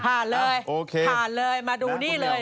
ผ่านเลยโอเคผ่านเลยมาดูนี่เลย